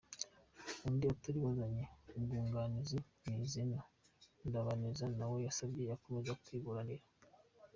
Undi utari wazanye abamwunganira ni Zenon Ndabaneze nawe wasabye gukomeza kwiburanira.